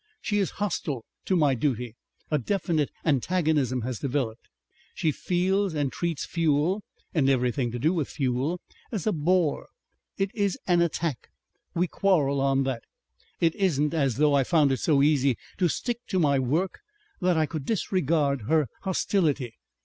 She is hostile to my duty. A definite antagonism has developed. She feels and treats fuel and everything to do with fuel as a bore. It is an attack. We quarrel on that. It isn't as though I found it so easy to stick to my work that I could disregard her hostility.